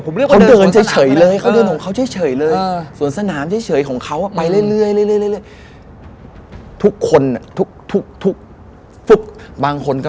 ผมเลือกไปเดินสนามของเขาเลยเออ